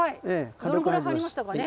どのくらい入りましたかね。